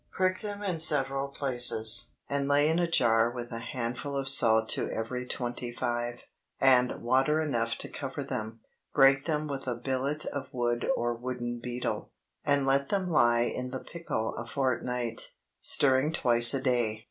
Prick them in several places, and lay in a jar with a handful of salt to every twenty five, and water enough to cover them. Break them with a billet of wood or wooden beetle, and let them lie in the pickle a fortnight, stirring twice a day.